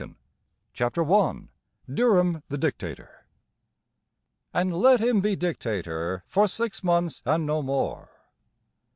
CHAPTER I DURHAM THE DICTATOR And let him be dictator For six months and no more.